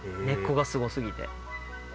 根っこがすごすぎて。